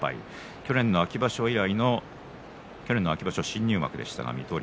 去年の秋場所以来の去年の秋場所新入幕でしたが水戸龍